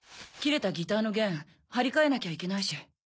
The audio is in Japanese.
切れたギターの弦張り替えなきゃいけないし。